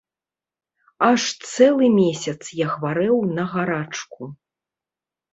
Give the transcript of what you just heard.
Аж цэлы месяц я хварэў на гарачку.